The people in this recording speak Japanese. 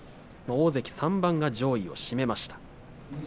大関３番は上位を占めました。